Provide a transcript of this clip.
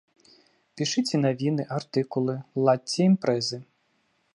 Пішыце навіны, артыкулы, ладзьце імпрэзы.